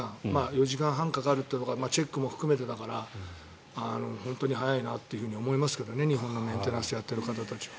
４時間半かかるっていうのはチェックも含めてだから本当に早いなと思いますけどね日本のメンテナンスをやってる方たちは。